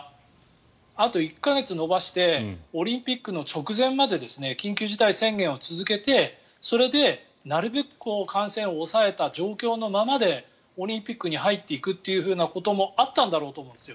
あと１か月延ばしてオリンピックの直前まで緊急事態宣言を続けてそれでなるべく感染を抑えた状況のままでオリンピックに入っていくというようなこともあったんだろうと思うんですよ。